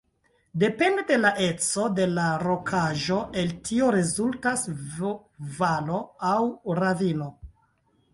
Depende de la eco de la rokaĵo el tio rezultas V-valo aŭ ravino.